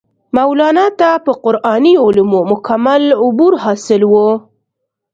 مولانا ته پۀ قرآني علومو مکمل عبور حاصل وو